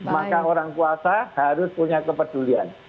maka orang puasa harus punya kepedulian